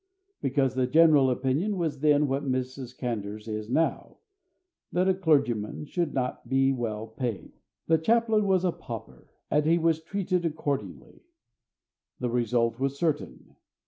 Because the general opinion was then what Mrs. Candour's is now that a clergyman should not be well paid. The chaplain was a pauper, and he was treated accordingly. The result was certain.